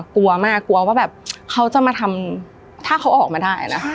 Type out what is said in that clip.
กลัวมากกลัวว่าแบบเขาจะมาทำถ้าเขาออกมาได้นะ